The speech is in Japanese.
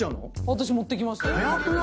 私持ってきます。